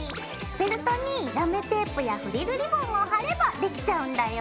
フェルトにラメテープやフリルリボンを貼ればできちゃうんだよ！